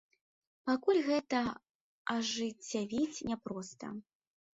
Пакуль гэта ажыццявіць няпроста.